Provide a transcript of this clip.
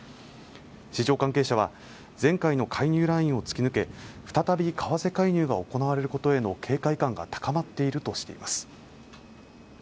市場関係者は前回の介入ラインを突き抜け再び為替介入が行われることへの警戒感が高まっているとしています